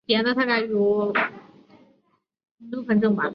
在豹亚种里体型偏小。